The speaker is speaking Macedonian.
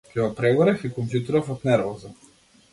Ќе го прегорев и компјутеров од нервоза!